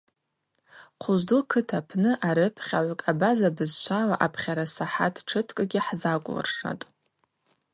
Хъвыжвду кыт апны арыпхьагӏвкӏ абаза бызшвала апхьарасахӏат тшыткӏгьи хӏзакӏвлыршатӏ.